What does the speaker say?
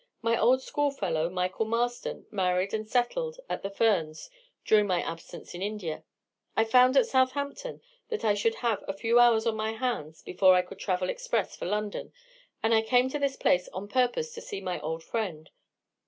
My old schoolfellow, Michael Marston, married and settled at the Ferns during my absence in India. I found at Southampton that I should have a few hours on my hands before I could travel express for London, and I came to this place on purpose to see my old friend.